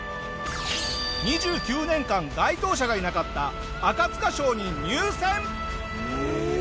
２９年間該当者がいなかった赤塚賞に入選！